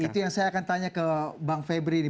itu yang saya akan tanya ke bang febri ini